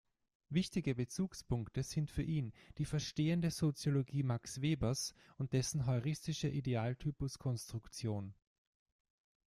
Wichtige Bezugspunkte sind für ihn die Verstehende Soziologie Max Webers und dessen heuristische Idealtypus-Konstruktion.